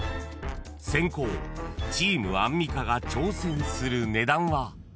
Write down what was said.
［先攻チームアンミカが挑戦する値段は］